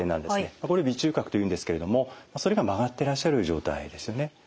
これ鼻中隔というんですけれどもそれが曲がってらっしゃる状態ですね。